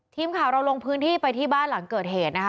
ทีมข่าวเราลงพื้นที่ไปที่บ้านหลังเกิดเหตุนะคะ